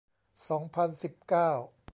สองพันสิบเก้า